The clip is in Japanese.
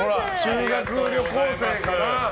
修学旅行生かな。